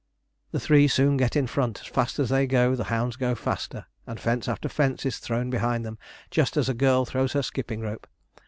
The three soon get in front; fast as they go, the hounds go faster, and fence after fence is thrown behind them, just as a girl throws her skipping rope.